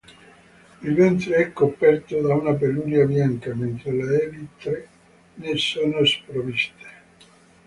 Il ventre è coperto da una peluria bianca, mentre le elitre ne sono sprovviste.